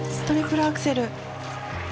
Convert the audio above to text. トリプルアクセル。